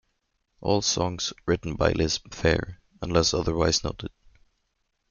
All songs written by Liz Phair unless otherwise noted.